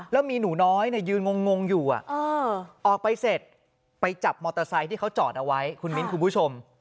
แล้วมีหนูน้อยยืนงงอยู่ออกไปเสร็จไปจับมอเตอร์ไซค์ที่เขาจอดเอาไว้คุณมิ้นคุณผู้ชม